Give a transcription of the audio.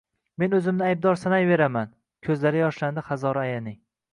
men oʻzimni aybdor sanayveraman, koʻzlari yoshlandi Hazora ayaning